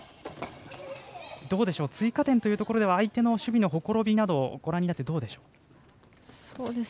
追加点というところでは相手の守備のほころびなどご覧になってどうでしょうか。